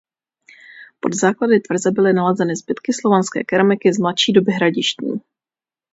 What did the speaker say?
Pod základy tvrze byly nalezeny zbytky slovanské keramiky z mladší doby hradištní.